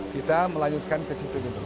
kita melanjutkan ke situ dulu